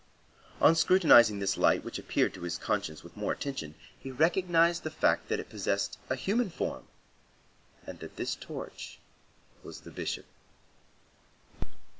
On scrutinizing this light which appeared to his conscience with more attention, he recognized the fact that it possessed a human form and that this torch was the Bishop.